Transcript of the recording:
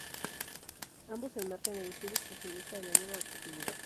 Ambos se enmarcan en el estilo expresionista de la Nueva Objetividad.